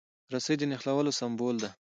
رسۍ د نښلولو سمبول ده.